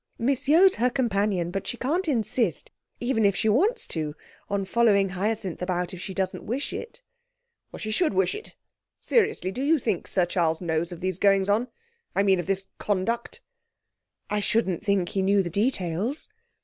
Miss Yeo's her companion; but she can't insist, even if she wants to, on following Hyacinth about if she doesn't wish it.' 'She should wish it. Seriously, do you think Sir Charles knows of these goings on I mean of this conduct?' 'I shouldn't think he knew the details.'